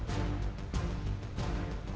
tanpa cintamu lagi